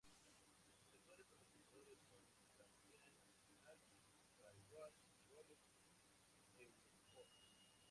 Sus actuales patrocinadores son Canadian National Railway, Rolex y Eurosport.